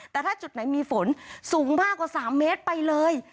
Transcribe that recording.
แต่ถ้าจุดไหนมีฝนสูงมากกว่า๓เมตรไปเลย